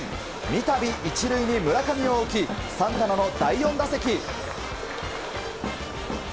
三度１塁に村上を置きサンタナの第４打席。